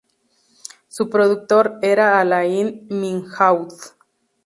Su productor era Alain Milhaud.